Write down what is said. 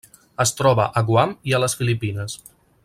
Es troba a Guam i a les Filipines.